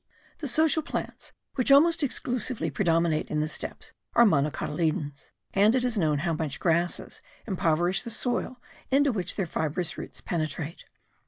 The social plants which almost exclusively predominate in the steppes, are monocotyledons; and it is known how much grasses impoverish the soil into which their fibrous roots penetrate.